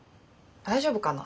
大丈夫かな？